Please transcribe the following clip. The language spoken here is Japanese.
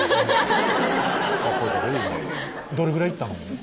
どれぐらい行ったの？